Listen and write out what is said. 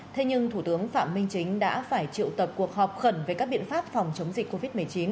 thế nhưng thủ tướng phạm minh chính đã phải triệu tập cuộc họp khẩn về các biện pháp phòng chống dịch covid một mươi chín